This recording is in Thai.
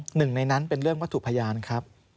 หนึ่งในนั้นเป็นเรื่องวัตถุพยานครับ